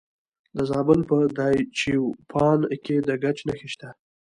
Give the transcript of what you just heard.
د زابل په دایچوپان کې د ګچ نښې شته.